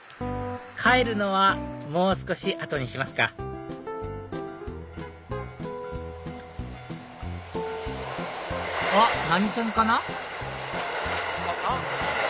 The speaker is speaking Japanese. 帰るのはもう少し後にしますかあっ何線かな？